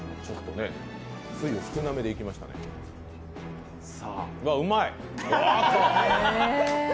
つゆ、少なめでいきましたねうわ、うまい。